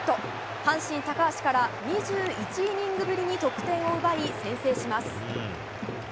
阪神、高橋から２１イニングぶりに得点を奪い先制します。